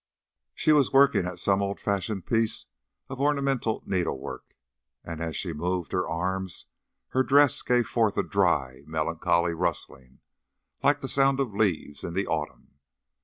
She was working at some old fashioned piece of ornamental needlework, and as she moved her arms her dress gave forth a dry, melancholy rustling, like the sound of leaves in the autumn.